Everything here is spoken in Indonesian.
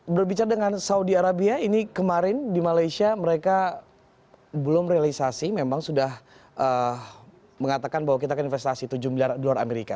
berbicara dengan saudi arabia ini kemarin di malaysia mereka belum realisasi memang sudah mengatakan bahwa kita akan investasi tujuh miliar dolar amerika